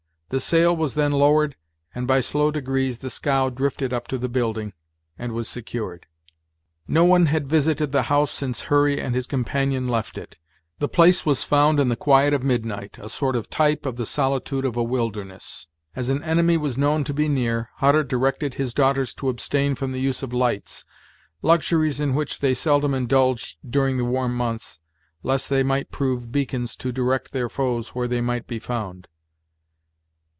The sail was then lowered, and by slow degrees the scow drifted up to the building, and was secured. No one had visited the house since Hurry and his companion left it. The place was found in the quiet of midnight, a sort of type of the solitude of a wilderness. As an enemy was known to be near, Hutter directed his daughters to abstain from the use of lights, luxuries in which they seldom indulged during the warm months, lest they might prove beacons to direct their foes where they might be found.